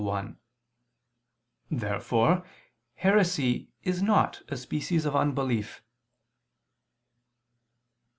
Therefore heresy is not a species of unbelief.